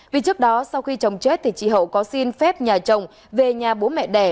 vì trước đó sau khi chồng chết thì chị hậu có xin phép nhà chồng về nhà bố mẹ đẻ